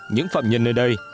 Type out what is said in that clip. những phạm nhân nơi đây